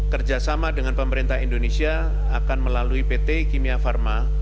kerjasama dengan pemerintah indonesia akan melalui pt kimia pharma